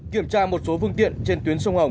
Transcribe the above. kiểm tra một số phương tiện trên tuyến sông hồng